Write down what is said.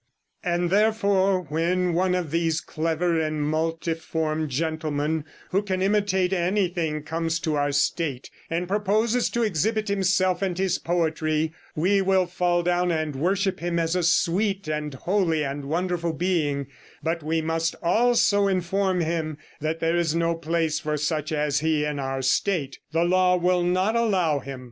"And therefore when one of these clever and multiform gentlemen who can imitate anything comes to our state, and proposes to exhibit himself and his poetry, we will fall down and worship him as a sweet and holy and wonderful being; but we must also inform him that there is no place for such as he is in our state the law will not allow him.